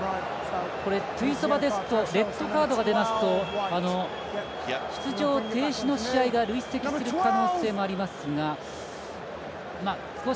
テュイソバですとレッドカードが出ますと出場停止の試合が累積する可能性がありますが。